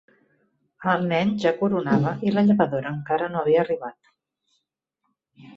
El nen ja coronava i la llevadora encara no havia arribat.